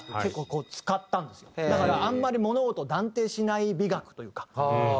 だからあんまり物事を断定しない美学というか。